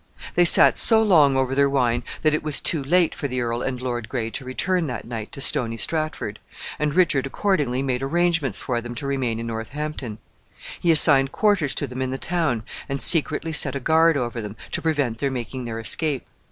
They sat so long over their wine that it was too late for the earl and Lord Gray to return that night to Stony Stratford, and Richard accordingly made arrangements for them to remain in Northampton. He assigned quarters to them in the town, and secretly set a guard over them, to prevent their making their escape.